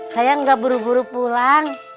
sayang gak buru buru pulang